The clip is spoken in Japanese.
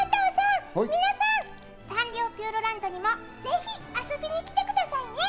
加藤さん、皆さん、サンリオピューロランドにもぜひ遊びに来てくださいね。